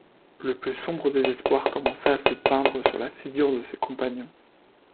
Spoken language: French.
Le plus sombre désespoir commença à se peindre sur la figure de ses compagnons.